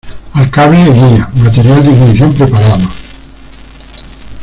Al cable guía. Material de ignición preparado .